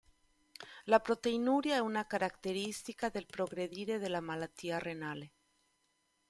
La proteinuria è una caratteristica del progredire della malattia renale.